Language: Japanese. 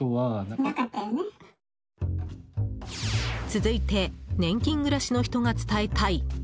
続いて年金暮らしの人が伝えたい